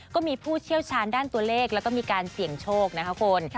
ผู้เชี่ยวชาญด้านตัวเลขแล้วก็มีการเสี่ยงโชคนะคะคุณ